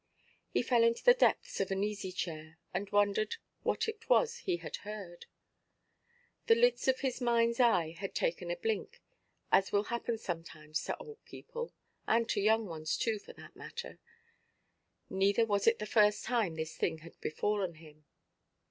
He fell into the depths of an easy–chair, and wondered what it was he had heard. The lids of his mindʼs eye had taken a blink, as will happen sometimes to old people, and to young ones too for that matter; neither was it the first time this thing had befallen him.